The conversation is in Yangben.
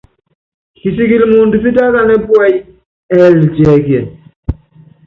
Kisikili muundɔ pitákanɛ́ puɛ́yí, ɛɛlɛ tiɛkiɛ?